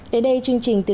đến đây chương trình từ đông